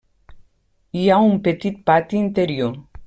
Hi ha un petit pati interior.